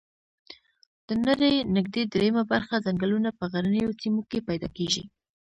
د نړۍ نږدي دریمه برخه ځنګلونه په غرنیو سیمو کې پیدا کیږي